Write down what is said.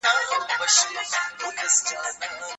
موږ باید د یو بل قدر وکړو.